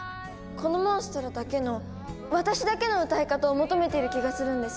このモンストロだけの私だけの歌い方を求めている気がするんです。